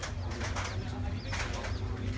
สวัสดีครับคุณผู้ชาย